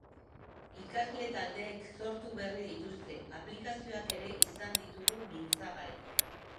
Ikasle taldeek sortu berri dituzte aplikazioak ere izan ditugu mintzagai.